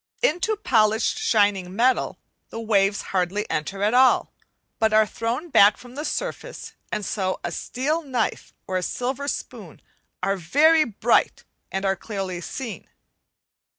Into polished shining metal the waves hardly enter at all, but are thrown back from the surface; and so a steel knife or a silver spoon are very bright, and are clearly seen.